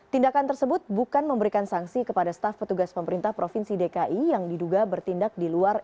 tindakan tersebut bukan memberikan sanksi kepada staf petugas pemerintah provinsi dki yang diduga bertindak di luar